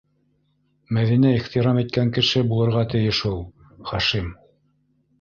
Мәҙинә ихтирам иткән кеше булырға тейеш ул. Хашим!